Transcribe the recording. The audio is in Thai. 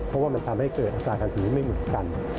เพราะว่ามันทำให้เกิดอาการสิ่งนี้ไม่หมุนกัน